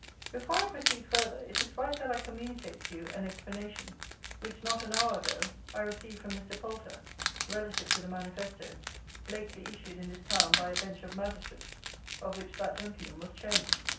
Before I proceed further, it is right that I communicate to you an explanation, which, not an hour ago, I received from Mr. Poulter, relative to the manifesto, lately issued in this town by a Bench of Magistrates of which that gentleman was Chairman.